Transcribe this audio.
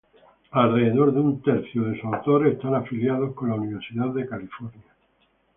Alrededor de un tercio de sus autores están afiliados con la Universidad de California.